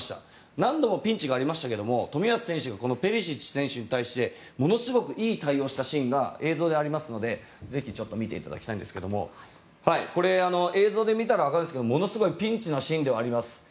何度もピンチがありましたが冨安選手がこのペリシッチ選手に対してものすごくいい対応をしたシーンが映像でありますのでぜひ見ていただきたいんですがこれ、映像で見たらわかるんですがものすごくピンチのシーンではあります。